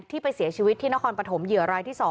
ไปเสียชีวิตที่นครปฐมเหยื่อรายที่๒